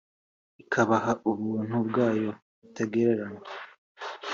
ikabaha ubuntu bwayo butagereranywa